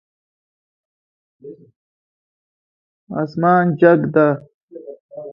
اسمان جګ ده